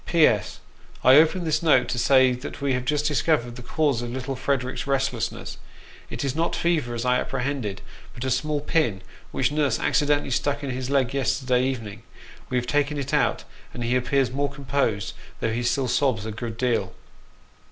" P.S. I open this note to say that we have just discovered the cause of little Frederick's restlessness. It is not fever, as I appre hended, but a small pin, which nurse accidentally stuck in his leg yesterday evening. We have taken it out, and he appears more com posed, though he still sobs a good deal."